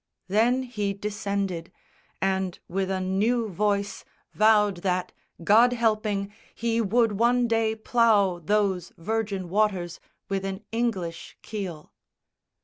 Then he descended; and with a new voice Vowed that, God helping, he would one day plough Those virgin waters with an English keel.